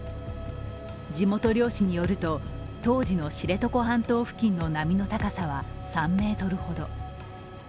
地元漁師によると、当時の知床半島付近の波の高さは３ｍほど。